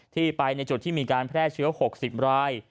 ที่ไปในจุดที่มีการแพร่เชื้อ๖๐ราย